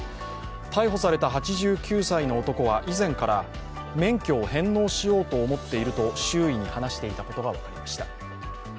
逮捕された８９歳の男は以前から免許を返納しようと思っていると周囲に話していたことが分かりました。